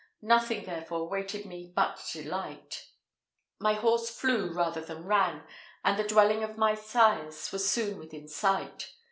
Nothing, therefore, waited me but delight. My horse flew rather than ran, and the dwelling of my sires was soon within sight.